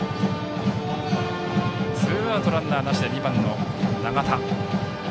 ツーアウトランナーなしで打席には２番、長田。